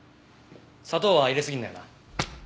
砂糖は入れすぎんなよな。